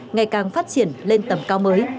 ngày càng phát triển lên tầm cao mới